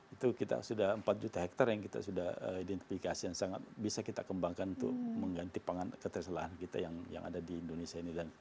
itu kita sudah empat juta hektare yang kita sudah identifikasi yang sangat bisa kita kembangkan untuk mengganti pangan keterselahan kita yang ada di indonesia ini